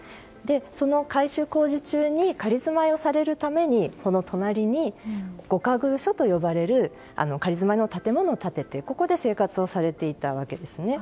その改修工事中に仮住まいをされるために、隣に御仮寓所と呼ばれる仮住まいの建物を建ててここで生活をされていたわけですね。